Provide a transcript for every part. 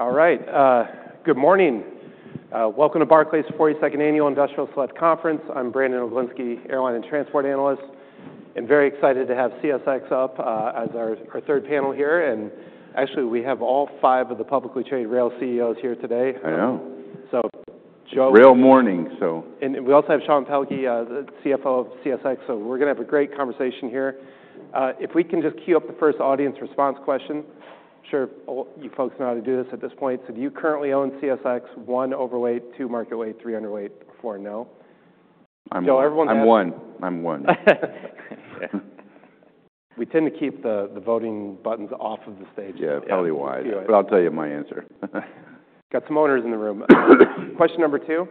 All right. Good morning. Welcome to Barclays' 42nd Annual Industrial Select Conference. I'm Brandon Oglenski, Airline and Transport Analyst, and very excited to have CSX up as our third panel here, and actually, we have all five of the publicly traded rail CEOs here today. I know. So, Joe. Good morning. So. We also have Sean Pelkey, CFO of CSX, so we're going to have a great conversation here. If we can just queue up the first audience response question, I'm sure you folks know how to do this at this point. Do you currently own CSX? One, overweight. Two, market weight. Three, underweight. Four, no. I'm one. Joe, everyone's on. I'm one. Yeah. We tend to keep the voting buttons off of the stage. Yeah, probably why. But I'll tell you my answer. Got some owners in the room. Question number two.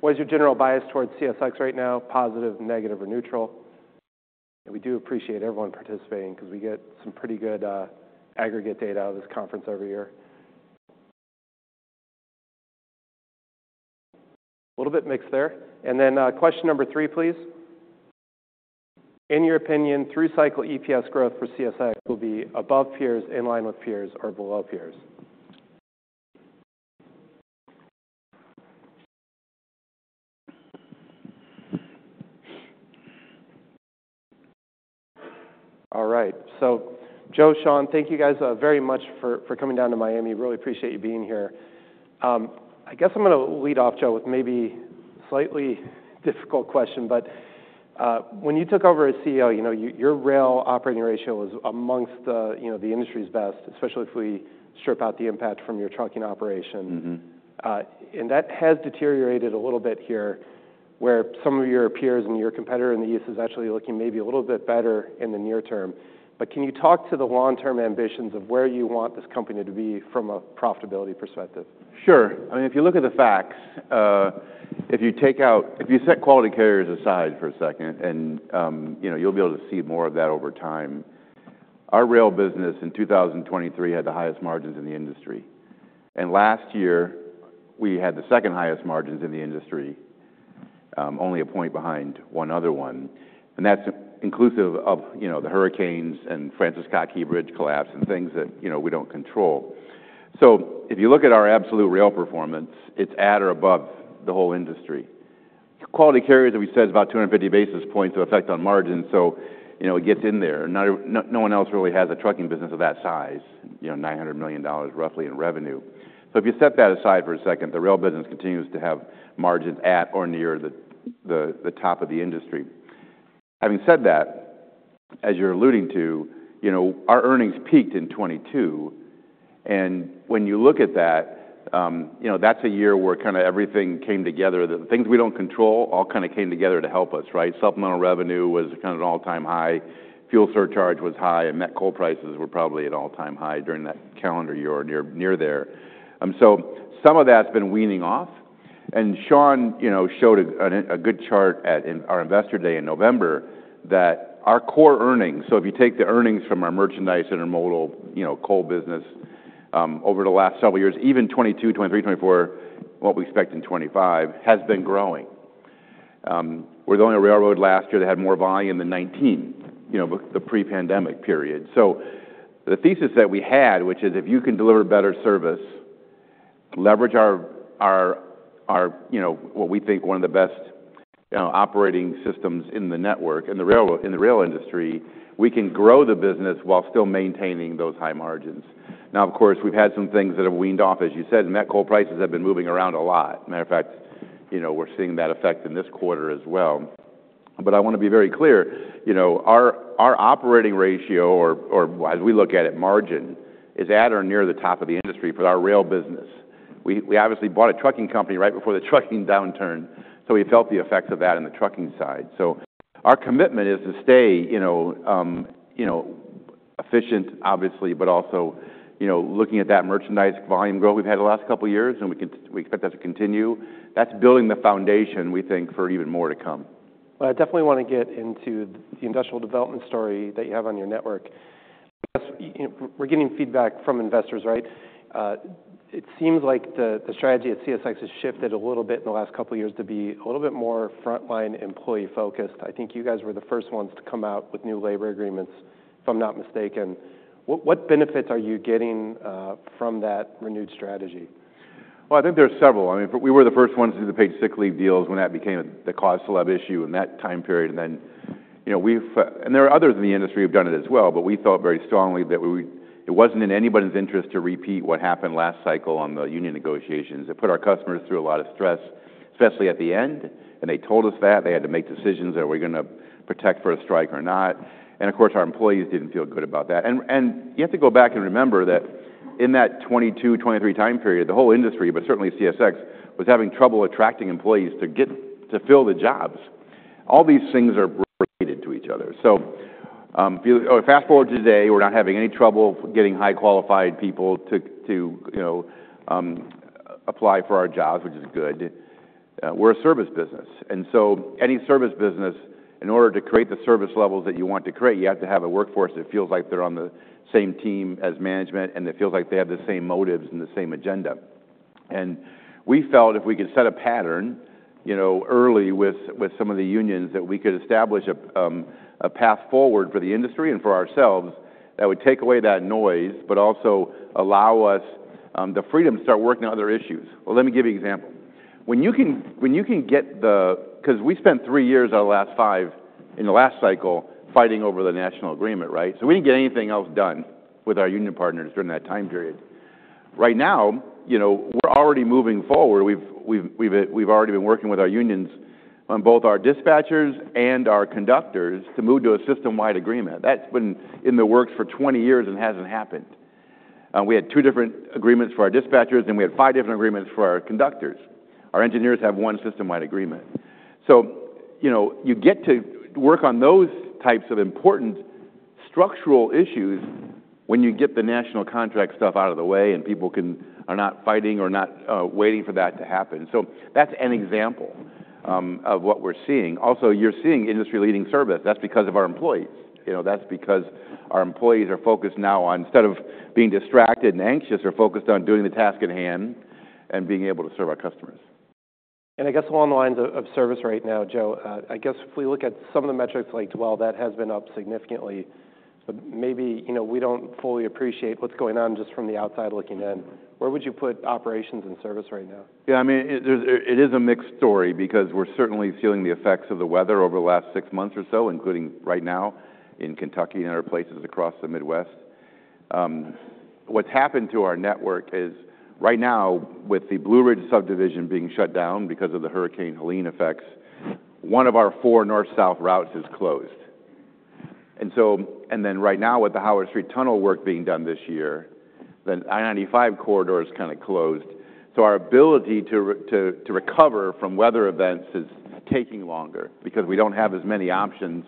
What is your general bias towards CSX right now? Positive, negative, or neutral? And we do appreciate everyone participating because we get some pretty good aggregate data out of this conference every year. A little bit mixed there. And then question number three, please. In your opinion, through cycle EPS growth for CSX will be above peers, in line with peers, or below peers? All right. So Joe, Sean, thank you guys very much for coming down to Miami. Really appreciate you being here. I guess I'm going to lead off, Joe, with maybe a slightly difficult question, but when you took over as CEO, your rail operating ratio was among the industry's best, especially if we strip out the impact from your trucking operation. And that has deteriorated a little bit here, where some of your peers and your competitor in the East is actually looking maybe a little bit better in the near term. But can you talk to the long-term ambitions of where you want this company to be from a profitability perspective? Sure. I mean, if you look at the facts, if you set Quality Carriers aside for a second, and you'll be able to see more of that over time, our rail business in 2023 had the highest margins in the industry. Last year, we had the second highest margins in the industry, only a point behind one other one. That's inclusive of the hurricanes and Francis Scott Key Bridge collapse and things that we don't control. If you look at our absolute rail performance, it's at or above the whole industry. Quality Carriers, we said, is about 250 basis points of effect on margin, so it gets in there. No one else really has a trucking business of that size, $900 million roughly in revenue. So if you set that aside for a second, the rail business continues to have margins at or near the top of the industry. Having said that, as you're alluding to, our earnings peaked in 2022. And when you look at that, that's a year where kind of everything came together. The things we don't control all kind of came together to help us, right? Supplemental revenue was kind of at an all-time high. Fuel surcharge was high, and met coal prices were probably at an all-time high during that calendar year or near there. So some of that's been weaning off. And Sean showed a good chart at our investor day in November that our core earnings (so if you take the earnings from our merchandise intermodal coal business over the last several years, even 2022, 2023, 2024, what we expect in 2025) has been growing. We're the only railroad last year that had more volume than 2019, the pre-pandemic period. So the thesis that we had, which is if you can deliver better service, leverage what we think one of the best operating systems in the network, in the rail industry, we can grow the business while still maintaining those high margins. Now, of course, we've had some things that have weaned off, as you said, and met coal prices have been moving around a lot. Matter of fact, we're seeing that effect in this quarter as well. But I want to be very clear. Our operating ratio, or as we look at it, margin is at or near the top of the industry for our rail business. We obviously bought a trucking company right before the trucking downturn, so we felt the effects of that in the trucking side. So our commitment is to stay efficient, obviously, but also looking at that merchandise volume growth we've had the last couple of years, and we expect that to continue. That's building the foundation, we think, for even more to come. I definitely want to get into the industrial development story that you have on your network. We're getting feedback from investors, right? It seems like the strategy at CSX has shifted a little bit in the last couple of years to be a little bit more frontline employee-focused. I think you guys were the first ones to come out with new labor agreements, if I'm not mistaken. What benefits are you getting from that renewed strategy? I think there are several. I mean, we were the first ones to do the paid sick leave deals when that became the cost labor issue in that time period, and there are others in the industry who have done it as well, but we thought very strongly that it wasn't in anybody's interest to repeat what happened last cycle on the union negotiations. It put our customers through a lot of stress, especially at the end, and they told us that. They had to make decisions that we were going to prepare for a strike or not, and of course, our employees didn't feel good about that, and you have to go back and remember that in that 2022, 2023 time period, the whole industry, but certainly CSX, was having trouble attracting employees to fill the jobs. All these things are related to each other. So fast forward to today, we're not having any trouble getting highly qualified people to apply for our jobs, which is good. We're a service business. And so any service business, in order to create the service levels that you want to create, you have to have a workforce that feels like they're on the same team as management and that feels like they have the same motives and the same agenda. And we felt if we could set a pattern early with some of the unions that we could establish a path forward for the industry and for ourselves that would take away that noise, but also allow us the freedom to start working on other issues. Well, let me give you an example. When you can get the, because we spent three years out of the last five in the last cycle fighting over the national agreement, right? So we didn't get anything else done with our union partners during that time period. Right now, we're already moving forward. We've already been working with our unions on both our dispatchers and our conductors to move to a system-wide agreement. That's been in the works for 20 years and hasn't happened. We had two different agreements for our dispatchers, and we had five different agreements for our conductors. Our engineers have one system-wide agreement. So you get to work on those types of important structural issues when you get the national contract stuff out of the way and people are not fighting or not waiting for that to happen. So that's an example of what we're seeing. Also, you're seeing industry-leading service. That's because of our employees. That's because our employees are focused now on, instead of being distracted and anxious, they're focused on doing the task at hand and being able to serve our customers. I guess along the lines of service right now, Joe, I guess if we look at some of the metrics like dwell, that has been up significantly, but maybe we don't fully appreciate what's going on just from the outside looking in. Where would you put operations and service right now? Yeah, I mean, it is a mixed story because we're certainly feeling the effects of the weather over the last six months or so, including right now in Kentucky and other places across the Midwest. What's happened to our network is right now, with the Blue Ridge Subdivision being shut down because of the Hurricane Helene effects, one of our four north-south routes is closed. And then right now, with the Howard Street Tunnel work being done this year, the I-95 corridor is kind of closed. So our ability to recover from weather events is taking longer because we don't have as many options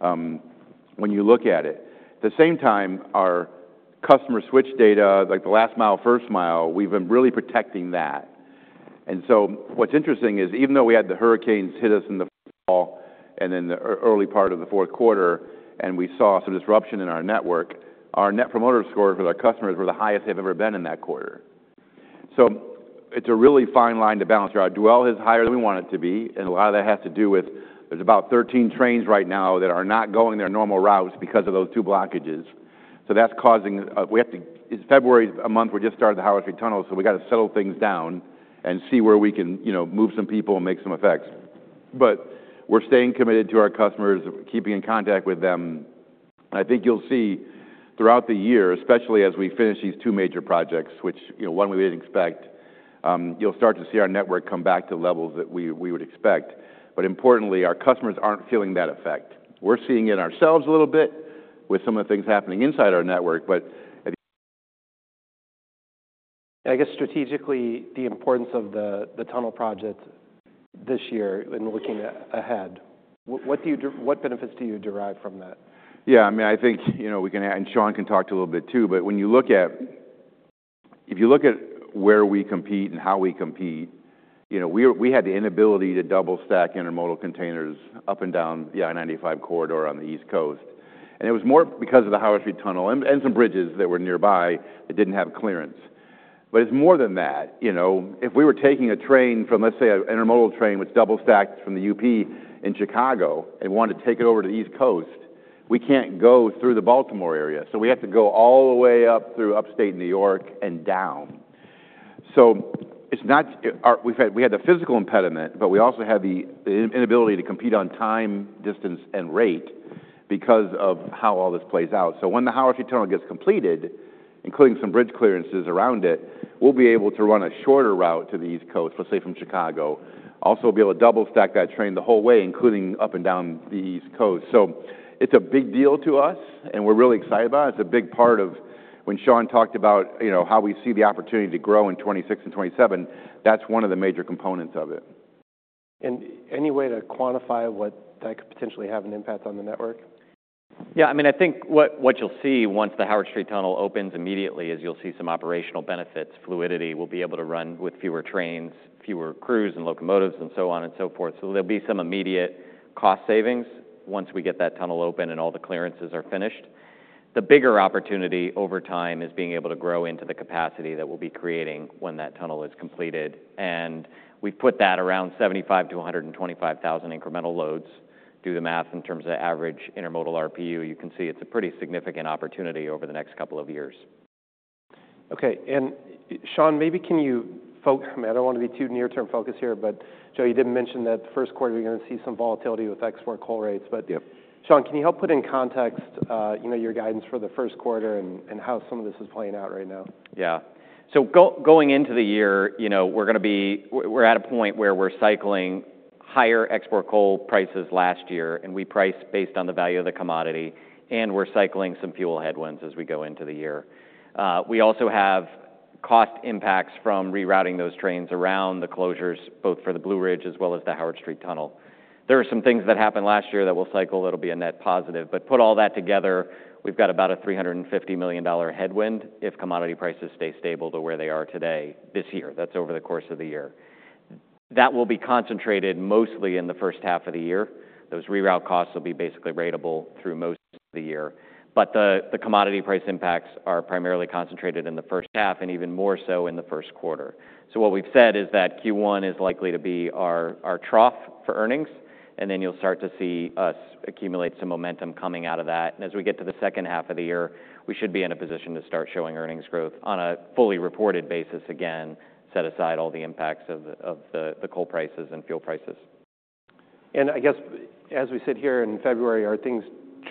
when you look at it. At the same time, our customer switch data, like the last mile, first mile, we've been really protecting that. And so what's interesting is even though we had the hurricanes hit us in the fall and in the early part of the fourth quarter, and we saw some disruption in our network, our Net Promoter Scores with our customers were the highest they've ever been in that quarter. So it's a really fine line to balance. Our dwell is higher than we want it to be, and a lot of that has to do with there's about 13 trains right now that are not going their normal routes because of those two blockages. So that's causing - we have to - February is a month we just started the Howard Street Tunnel, so we got to settle things down and see where we can move some people and make some effects. But we're staying committed to our customers, keeping in contact with them. And I think you'll see throughout the year, especially as we finish these two major projects, which one we didn't expect, you'll start to see our network come back to levels that we would expect. But importantly, our customers aren't feeling that effect. We're seeing it ourselves a little bit with some of the things happening inside our network, but. I guess strategically, the importance of the tunnel project this year and looking ahead, what benefits do you derive from that? Yeah, I mean, I think we can, and Sean can talk to a little bit too, but if you look at where we compete and how we compete, we had the inability to double-stack intermodal containers up and down the I-95 corridor on the East Coast, and it was more because of the Howard Street Tunnel and some bridges that were nearby that didn't have clearance, but it's more than that. If we were taking a train from, let's say, an intermodal train which double-stacked from the UP in Chicago and wanted to take it over to the East Coast, we can't go through the Baltimore area, so we have to go all the way up through upstate New York and down, so we had the physical impediment, but we also had the inability to compete on time, distance, and rate because of how all this plays out. So when the Howard Street Tunnel gets completed, including some bridge clearances around it, we'll be able to run a shorter route to the East Coast, let's say from Chicago. Also, we'll be able to double-stack that train the whole way, including up and down the East Coast. So it's a big deal to us, and we're really excited about it. It's a big part of when Sean talked about how we see the opportunity to grow in 2026 and 2027. That's one of the major components of it. Any way to quantify what that could potentially have an impact on the network? Yeah, I mean, I think what you'll see once the Howard Street Tunnel opens immediately is you'll see some operational benefits, fluidity. We'll be able to run with fewer trains, fewer crews and locomotives, and so on and so forth. So there'll be some immediate cost savings once we get that tunnel open and all the clearances are finished. The bigger opportunity over time is being able to grow into the capacity that we'll be creating when that tunnel is completed. And we've put that around 75,000-125,000 incremental loads. Do the math in terms of average intermodal RPU. You can see it's a pretty significant opportunity over the next couple of years. Okay, and Sean, maybe can you, I don't want to be too near-term focused here, but Joe, you did mention that the first quarter, you're going to see some volatility with export coal rates, but Sean, can you help put in context your guidance for the first quarter and how some of this is playing out right now? Yeah. So going into the year, we're going to be at a point where we're cycling higher export coal prices last year, and we price based on the value of the commodity, and we're cycling some fuel headwinds as we go into the year. We also have cost impacts from rerouting those trains around the closures, both for the Blue Ridge as well as the Howard Street Tunnel. There are some things that happened last year that we'll cycle. It'll be a net positive. But put all that together, we've got about a $350 million headwind if commodity prices stay stable to where they are today this year. That's over the course of the year. That will be concentrated mostly in the first half of the year. Those reroute costs will be basically ratable through most of the year. But the commodity price impacts are primarily concentrated in the first half and even more so in the first quarter. So what we've said is that Q1 is likely to be our trough for earnings, and then you'll start to see us accumulate some momentum coming out of that. And as we get to the second half of the year, we should be in a position to start showing earnings growth on a fully reported basis again, set aside all the impacts of the coal prices and fuel prices. I guess, as we sit here in February, are things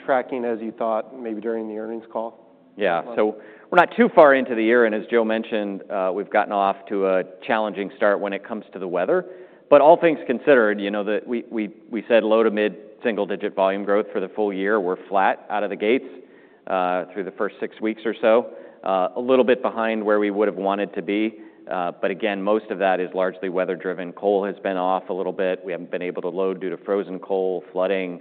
tracking as you thought maybe during the earnings call? Yeah. So we're not too far into the year, and as Joe mentioned, we've gotten off to a challenging start when it comes to the weather. But all things considered, we said low to mid single-digit volume growth for the full year. We're flat out of the gates through the first six weeks or so, a little bit behind where we would have wanted to be. But again, most of that is largely weather-driven. Coal has been off a little bit. We haven't been able to load due to frozen coal, flooding.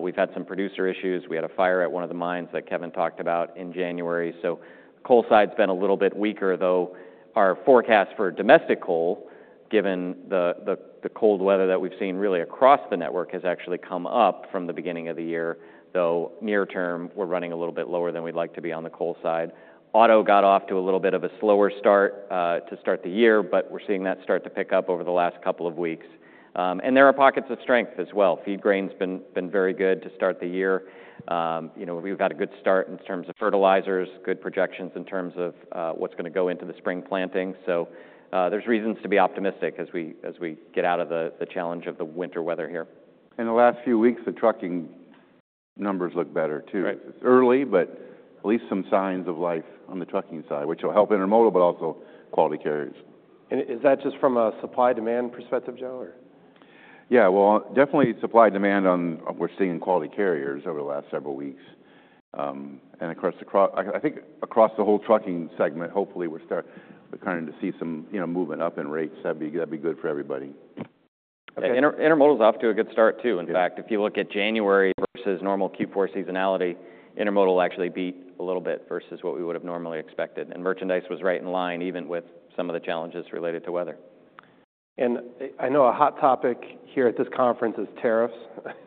We've had some producer issues. We had a fire at one of the mines that Kevin talked about in January. So coal side's been a little bit weaker, though our forecast for domestic coal, given the cold weather that we've seen really across the network, has actually come up from the beginning of the year. Though near term, we're running a little bit lower than we'd like to be on the coal side. Auto got off to a little bit of a slower start to start the year, but we're seeing that start to pick up over the last couple of weeks. And there are pockets of strength as well. Feed grain's been very good to start the year. We've got a good start in terms of fertilizers, good projections in terms of what's going to go into the spring planting. So there's reasons to be optimistic as we get out of the challenge of the winter weather here. In the last few weeks, the trucking numbers look better too. It's early, but at least some signs of life on the trucking side, which will help intermodal, but also Quality Carriers. Is that just from a supply-demand perspective, Joe, or? Yeah, well, definitely supply-demand on what we're seeing in Quality Carriers over the last several weeks. And I think across the whole trucking segment, hopefully, we're starting to see some movement up in rates. That'd be good for everybody. Intermodal's off to a good start too, in fact. If you look at January versus normal Q4 seasonality, intermodal actually beat a little bit versus what we would have normally expected. And merchandise was right in line even with some of the challenges related to weather. And I know a hot topic here at this conference is tariffs.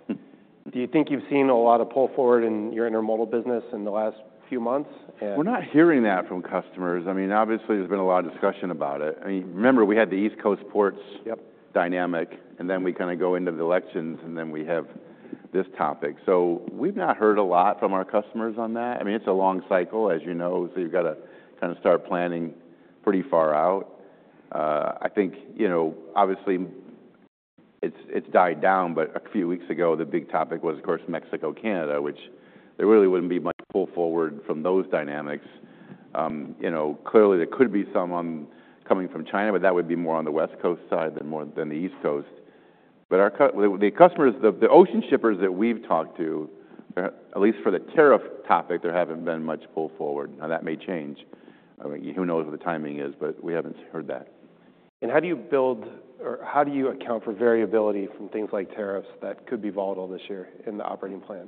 Do you think you've seen a lot of pull forward in your intermodal business in the last few months? We're not hearing that from customers. I mean, obviously, there's been a lot of discussion about it. I mean, remember, we had the East Coast ports dynamic, and then we kind of go into the elections, and then we have this topic. So we've not heard a lot from our customers on that. I mean, it's a long cycle, as you know, so you've got to kind of start planning pretty far out. I think, obviously, it's died down, but a few weeks ago, the big topic was, of course, Mexico, Canada, which there really wouldn't be much pull forward from those dynamics. Clearly, there could be some coming from China, but that would be more on the West Coast side than the East Coast. But the customers, the ocean shippers that we've talked to, at least for the tariff topic, there haven't been much pull forward. Now, that may change. I mean, who knows what the timing is, but we haven't heard that. How do you build or how do you account for variability from things like tariffs that could be volatile this year in the operating plan?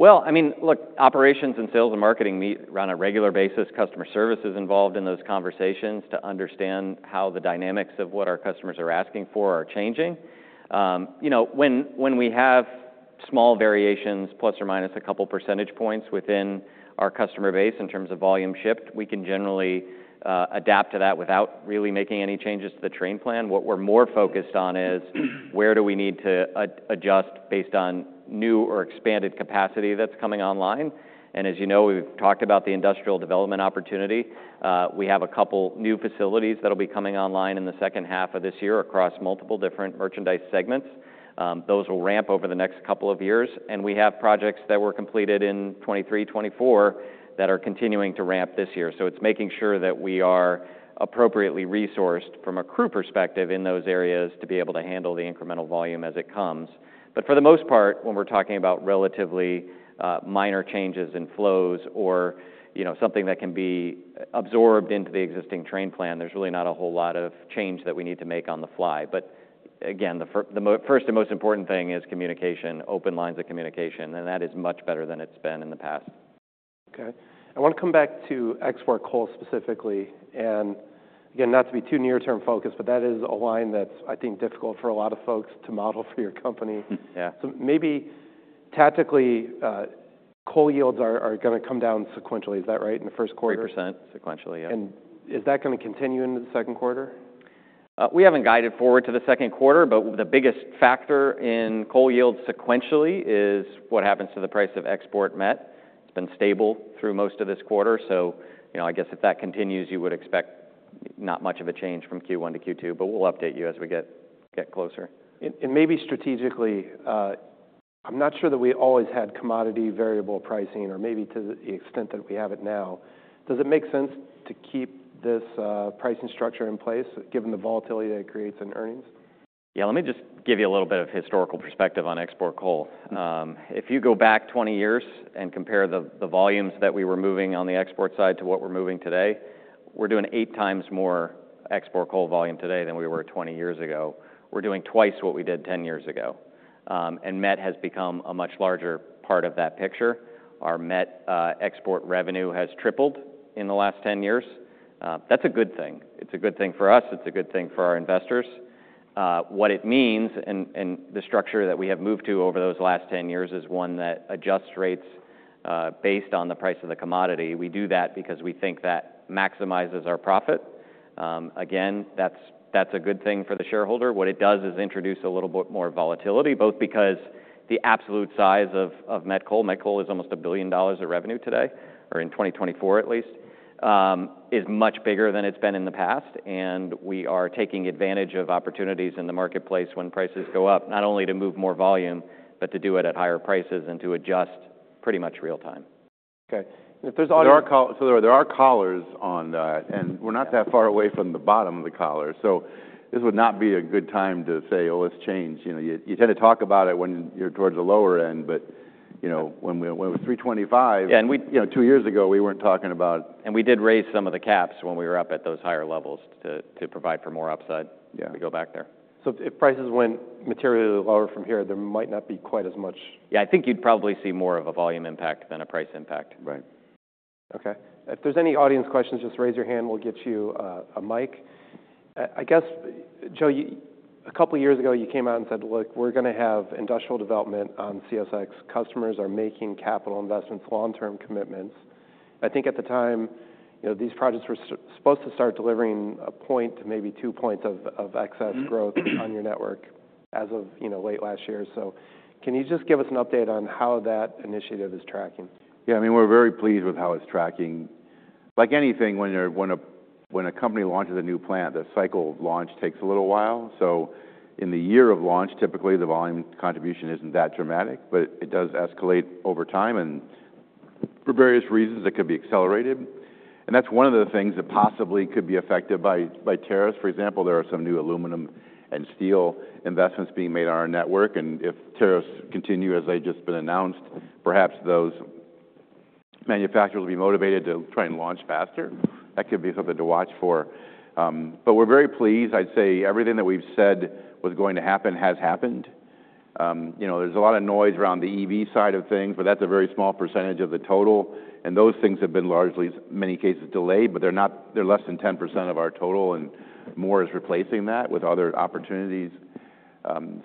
Well, I mean, look, operations and sales and marketing meet on a regular basis. Customer service is involved in those conversations to understand how the dynamics of what our customers are asking for are changing. When we have small variations, plus or minus a couple percentage points within our customer base in terms of volume shipped, we can generally adapt to that without really making any changes to the train plan. What we're more focused on is where do we need to adjust based on new or expanded capacity that's coming online. And as you know, we've talked about the industrial development opportunity. We have a couple new facilities that'll be coming online in the second half of this year across multiple different merchandise segments. Those will ramp over the next couple of years. We have projects that were completed in 2023, 2024 that are continuing to ramp this year. It's making sure that we are appropriately resourced from a crew perspective in those areas to be able to handle the incremental volume as it comes. For the most part, when we're talking about relatively minor changes in flows or something that can be absorbed into the existing train plan, there's really not a whole lot of change that we need to make on the fly. Again, the first and most important thing is communication, open lines of communication, and that is much better than it's been in the past. Okay. I want to come back to export coal specifically. And again, not to be too near-term focused, but that is a line that's, I think, difficult for a lot of folks to model for your company. So maybe tactically, coal yields are going to come down sequentially, is that right, in the first quarter? 3% sequentially, yeah. Is that going to continue into the second quarter? We haven't guided forward to the second quarter, but the biggest factor in coal yields sequentially is what happens to the price of export met. It's been stable through most of this quarter, so I guess if that continues, you would expect not much of a change from Q1 to Q2, but we'll update you as we get closer. Maybe strategically, I'm not sure that we always had commodity variable pricing or maybe to the extent that we have it now. Does it make sense to keep this pricing structure in place given the volatility that it creates in earnings? Yeah, let me just give you a little bit of historical perspective on export coal. If you go back 20 years and compare the volumes that we were moving on the export side to what we're moving today, we're doing eight times more export coal volume today than we were 20 years ago. We're doing twice what we did 10 years ago. And met has become a much larger part of that picture. Our met export revenue has tripled in the last 10 years. That's a good thing. It's a good thing for us. It's a good thing for our investors. What it means and the structure that we have moved to over those last 10 years is one that adjusts rates based on the price of the commodity. We do that because we think that maximizes our profit. Again, that's a good thing for the shareholder. What it does is introduce a little bit more volatility, both because the absolute size of met coal (met coal is almost $1 billion of revenue today, or in 2024 at least) is much bigger than it's been in the past. And we are taking advantage of opportunities in the marketplace when prices go up, not only to move more volume, but to do it at higher prices and to adjust pretty much real time. Okay, and if there's audit. There are collars on that, and we're not that far away from the bottom of the collar. So this would not be a good time to say, "Oh, let's change." You tend to talk about it when you're towards the lower end, but when we were at 325, two years ago, we weren't talking about. We did raise some of the caps when we were up at those higher levels to provide for more upside if we go back there. So if prices went materially lower from here, there might not be quite as much. Yeah, I think you'd probably see more of a volume impact than a price impact. Right. Okay. If there's any audience questions, just raise your hand. We'll get you a mic. I guess, Joe, a couple of years ago, you came out and said, "Look, we're going to have industrial development on CSX. Customers are making capital investments, long-term commitments." I think at the time, these projects were supposed to start delivering a point to maybe two points of excess growth on your network as of late last year. So can you just give us an update on how that initiative is tracking? Yeah, I mean, we're very pleased with how it's tracking. Like anything, when a company launches a new plant, the cycle of launch takes a little while. So in the year of launch, typically, the volume contribution isn't that dramatic, but it does escalate over time. And for various reasons, it could be accelerated. And that's one of the things that possibly could be affected by tariffs. For example, there are some new aluminum and steel investments being made on our network. And if tariffs continue, as they've just been announced, perhaps those manufacturers will be motivated to try and launch faster. That could be something to watch for. But we're very pleased. I'd say everything that we've said was going to happen has happened. There's a lot of noise around the EV side of things, but that's a very small percentage of the total. Those things have been largely, in many cases, delayed, but they're less than 10% of our total, and more is replacing that with other opportunities.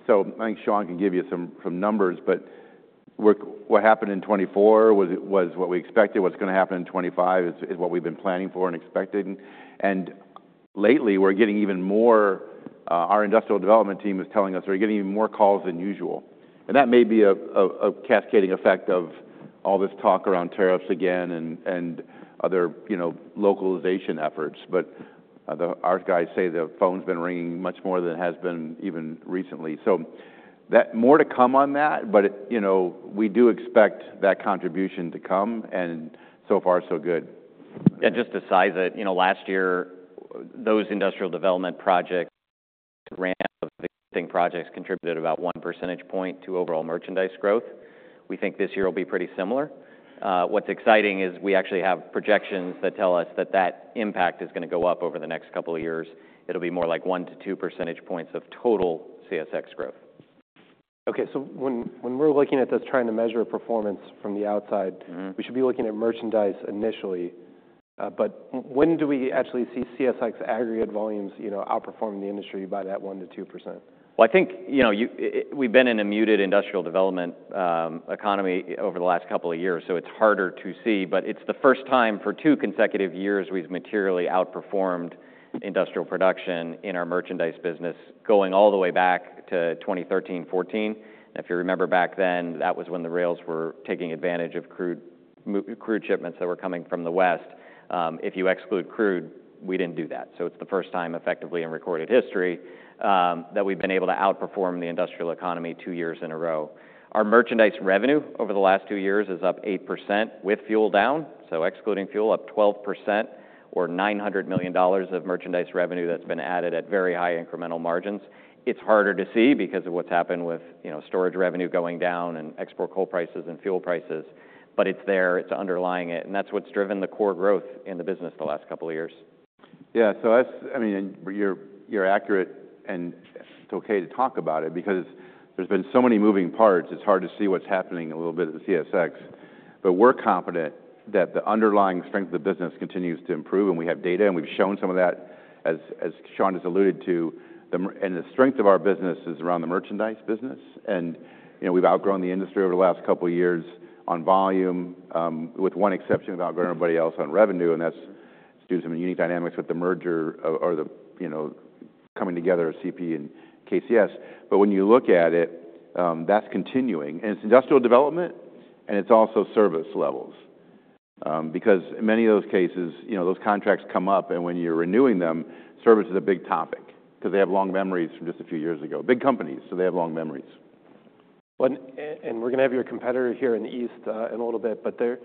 So I think Sean can give you some numbers, but what happened in 2024 was what we expected. What's going to happen in 2025 is what we've been planning for and expecting. And lately, we're getting even more, our industrial development team is telling us we're getting even more calls than usual. And that may be a cascading effect of all this talk around tariffs again and other localization efforts. But our guys say the phone's been ringing much more than it has been even recently. So more to come on that, but we do expect that contribution to come. And so far, so good. Yeah, just to size it, last year, those industrial development projects, the ramp of existing projects, contributed about one percentage point to overall merchandise growth. We think this year will be pretty similar. What's exciting is we actually have projections that tell us that that impact is going to go up over the next couple of years. It'll be more like one to two percentage points of total CSX growth. Okay. So when we're looking at this, trying to measure performance from the outside, we should be looking at merchandise initially. But when do we actually see CSX aggregate volumes outperforming the industry by that 1%-2%? I think we've been in a muted industrial development economy over the last couple of years, so it's harder to see. It's the first time for two consecutive years we've materially outperformed industrial production in our merchandise business going all the way back to 2013, 2014. If you remember back then, that was when the rails were taking advantage of crude shipments that were coming from the west. If you exclude crude, we didn't do that. It's the first time effectively in recorded history that we've been able to outperform the industrial economy two years in a row. Our merchandise revenue over the last two years is up 8% with fuel down. Excluding fuel, up 12%, or $900 million of merchandise revenue that's been added at very high incremental margins. It's harder to see because of what's happened with storage revenue going down and export coal prices and fuel prices, but it's there. It's underlying it. And that's what's driven the core growth in the business the last couple of years. Yeah. So I mean, you're accurate, and it's okay to talk about it because there's been so many moving parts. It's hard to see what's happening a little bit at CSX. But we're confident that the underlying strength of the business continues to improve. And we have data, and we've shown some of that, as Sean has alluded to. And the strength of our business is around the merchandise business. And we've outgrown the industry over the last couple of years on volume, with one exception of outgrowing everybody else on revenue. And that's due to some unique dynamics with the merger or the coming together of CP and KCS. But when you look at it, that's continuing. And it's industrial development, and it's also service levels. Because in many of those cases, those contracts come up, and when you're renewing them, service is a big topic because they have long memories from just a few years ago. Big companies, so they have long memories. And we're going to have your competitor here in the East in a little bit, but they're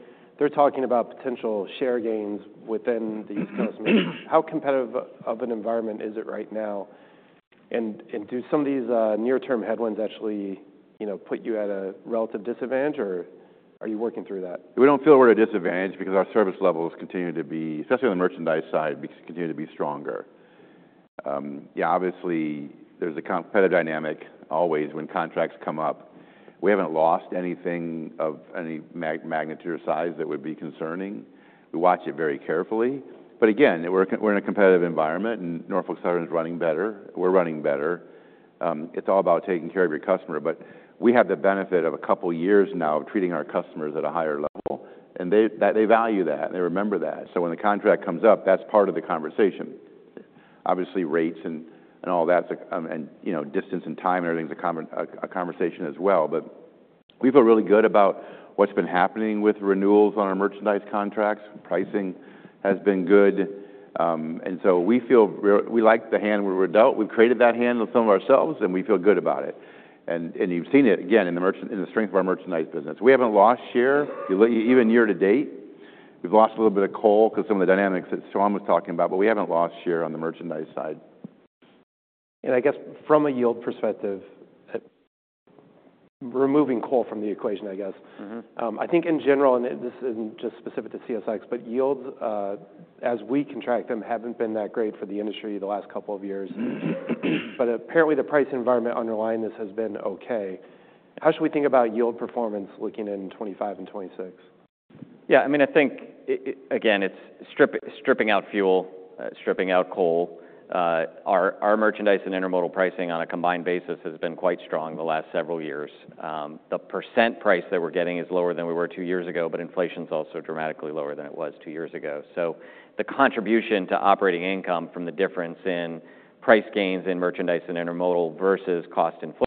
talking about potential share gains within the East Coast. How competitive of an environment is it right now? And do some of these near-term headwinds actually put you at a relative disadvantage, or are you working through that? We don't feel we're at a disadvantage because our service levels continue to be, especially on the merchandise side, continue to be stronger. Yeah, obviously, there's a competitive dynamic always when contracts come up. We haven't lost anything of any magnitude or size that would be concerning. We watch it very carefully. But again, we're in a competitive environment, and Norfolk Southern is running better. We're running better. It's all about taking care of your customer. But we have the benefit of a couple of years now of treating our customers at a higher level. And they value that, and they remember that. So when the contract comes up, that's part of the conversation. Obviously, rates and all that and distance and time and everything is a conversation as well. But we feel really good about what's been happening with renewals on our merchandise contracts. Pricing has been good. And so we feel we like the hand we're dealt. We've created that hand with some of ourselves, and we feel good about it. And you've seen it again in the strength of our merchandise business. We haven't lost share even year to date. We've lost a little bit of coal because of some of the dynamics that Sean was talking about, but we haven't lost share on the merchandise side. I guess from a yield perspective, removing coal from the equation, I guess, I think in general, and this isn't just specific to CSX, but yields, as we contract them, haven't been that great for the industry the last couple of years. Apparently, the price environment underlying this has been okay. How should we think about yield performance looking in 2025 and 2026? Yeah. I mean, I think, again, it's stripping out fuel, stripping out coal. Our merchandise and intermodal pricing on a combined basis has been quite strong the last several years. The percent price that we're getting is lower than we were two years ago, but inflation is also dramatically lower than it was two years ago. So the contribution to operating income from the difference in price gains in merchandise and intermodal versus cost inflation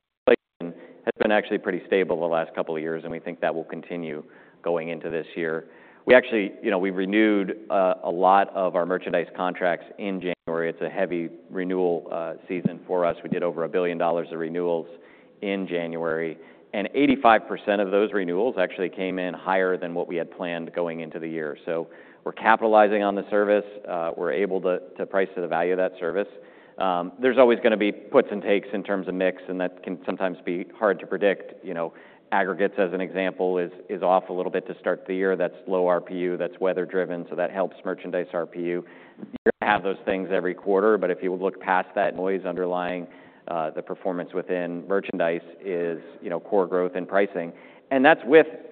has been actually pretty stable the last couple of years, and we think that will continue going into this year. We actually renewed a lot of our merchandise contracts in January. It's a heavy renewal season for us. We did over $1 billion of renewals in January. And 85% of those renewals actually came in higher than what we had planned going into the year. So we're capitalizing on the service. We're able to price to the value of that service. There's always going to be puts and takes in terms of mix, and that can sometimes be hard to predict. Aggregates, as an example, is off a little bit to start the year. That's low RPU. That's weather-driven, so that helps merchandise RPU. You're going to have those things every quarter, but if you look past that noise underlying the performance within merchandise is core growth and pricing, and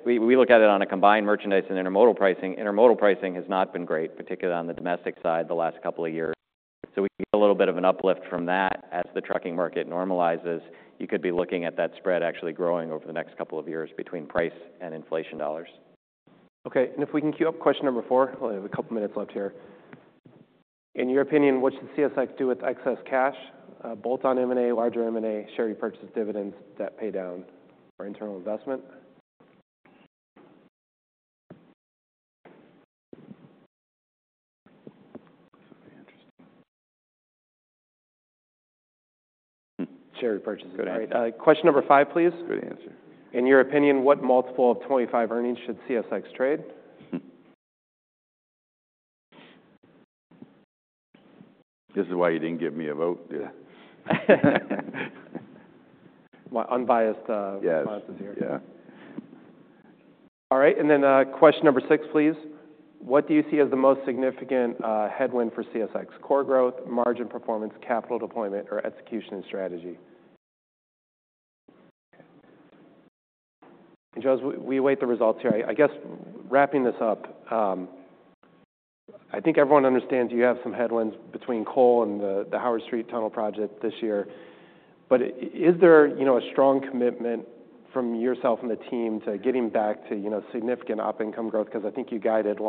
we look at it on a combined merchandise and intermodal pricing. Intermodal pricing has not been great, particularly on the domestic side, the last couple of years, so we get a little bit of an uplift from that as the trucking market normalizes. You could be looking at that spread actually growing over the next couple of years between price and inflation dollars. Okay. And if we can cue up question number four, we have a couple of minutes left here. In your opinion, what should CSX do with excess cash, bolt-on M&A, larger M&A, share repurchase, dividends, debt pay down, or internal investment? Something interesting. Share repurchase, right? Question number five, please. Good answer. In your opinion, what multiple of 2025 earnings should CSX trade? This is why you didn't give me a vote. My unbiased responses here. Yes. Yeah. All right. And then question number six, please. What do you see as the most significant headwind for CSX? Core growth, margin performance, capital deployment, or execution and strategy? And, Joe, as we await the results here, I guess wrapping this up, I think everyone understands you have some headwinds between coal and the Howard Street Tunnel project this year. But is there a strong commitment from yourself and the team to getting back to significant up-and-coming growth? Because I think you guided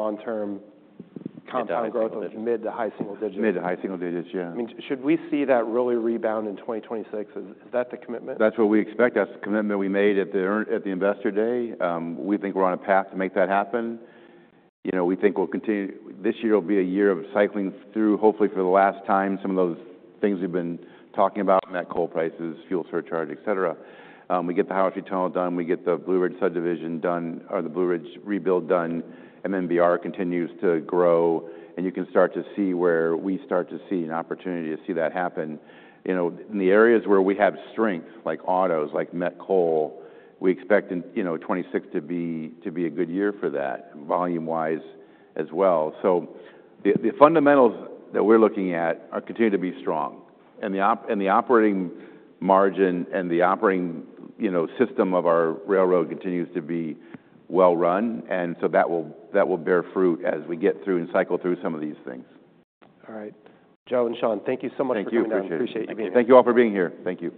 long-term compound growth of mid to high single digits. Mid- to high single digits, yeah. I mean, should we see that really rebound in 2026? Is that the commitment? That's what we expect. That's the commitment we made at the investor day. We think we're on a path to make that happen. We think we'll continue this year. It'll be a year of cycling through, hopefully, for the last time, some of those things we've been talking about, met coal prices, fuel surcharge, etc. We get the Howard Street Tunnel done. We get the Blue Ridge Subdivision done or the Blue Ridge rebuild done. MNBR continues to grow, and you can start to see where we start to see an opportunity to see that happen. In the areas where we have strength, like autos, like met coal, we expect 2026 to be a good year for that, volume-wise as well, so the fundamentals that we're looking at continue to be strong, and the operating margin and the operating system of our railroad continues to be well-run. That will bear fruit as we get through and cycle through some of these things. All right. Joe and Sean, thank you so much for coming out. Thank you. Appreciate you being here. Thank you all for being here. Thank you.